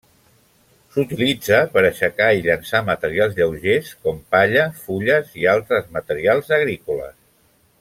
S'utilitza per aixecar i llençar materials lleugers com palla, fulles i altres materials agrícoles.